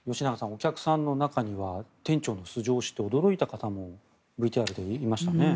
お客さんの中には店長の素性を知って驚いた方もＶＴＲでいましたね。